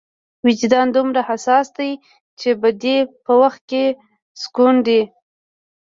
وجدان دومره حساس دی چې بدۍ په وخت کې سکونډي.